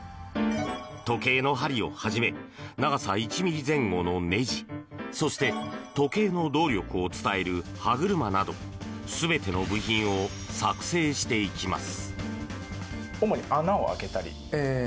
時計の針をはじめ長さ１ｍｍ前後のねじそして時計の動力を伝える歯車など全ての部品を作成していきます。